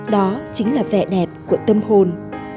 đó chính là vẻ đẹp của tâm hồn